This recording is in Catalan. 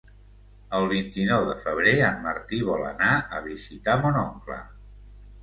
El vint-i-nou de febrer en Martí vol anar a visitar mon oncle.